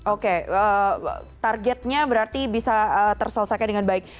oke targetnya berarti bisa terselesaikan dengan baik